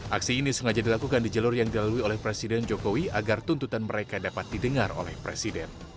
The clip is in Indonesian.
aksi ini sengaja dilakukan di jalur yang dilalui oleh presiden jokowi agar tuntutan mereka dapat didengar oleh presiden